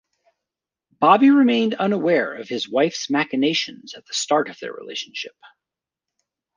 Bobby remained unaware of his wife's machinations at the start of their relationship.